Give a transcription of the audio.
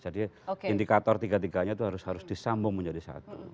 jadi indikator tiga tiganya itu harus disambung menjadi satu